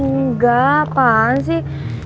nggak apaan sih